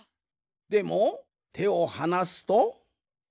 でもてをはなすと。